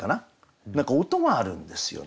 何か音があるんですよ。